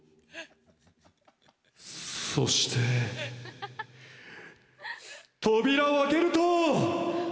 そして扉を開けると！